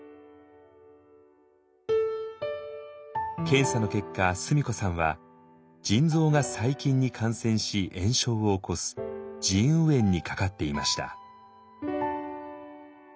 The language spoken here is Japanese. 検査の結果須美子さんは腎臓が細菌に感染し炎症を起こす「腎盂炎」にかかっていました。